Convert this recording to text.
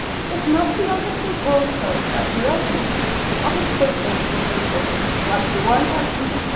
It must be understood also that we are speaking of a State institution, like the one at Utica.